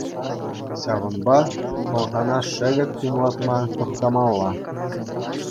Ҫавӑнпа хӑлхана шӗвек тумлатма тӑхтамалла.